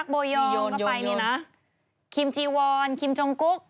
กิ้มจีวอนคิมจงกุ๊ก